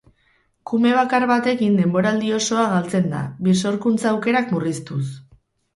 Kume bakar batekin denboraldi osoa galtzen da, birsorkuntza aukerak murriztuz.